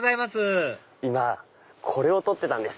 今これを撮ってたんです。